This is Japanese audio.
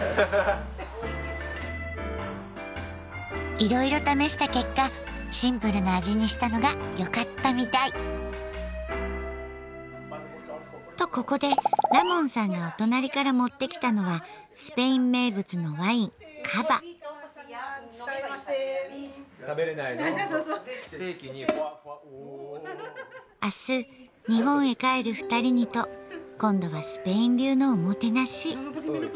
いろいろ試した結果シンプルな味にしたのがよかったみたい。とここでラモンさんがお隣から持ってきたのは明日日本へ帰る二人にと今度はスペイン流のおもてなし。